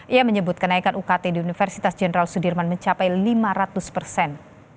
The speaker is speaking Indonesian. ia menyebut kenaikan ukt di universitas jenderal sudirman mencapai lima ratus persen